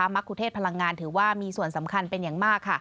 มะคุเทศพลังงานถือว่ามีส่วนสำคัญเป็นอย่างมากค่ะ